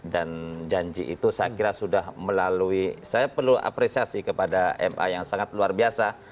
dan janji itu saya kira sudah melalui saya perlu apresiasi kepada ma yang sangat luar biasa